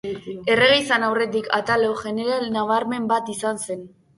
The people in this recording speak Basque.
Errege izan aurretik, Atalo, jeneral nabarmen bat izan zen.